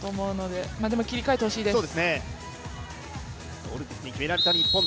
でも切り替えてほしいです。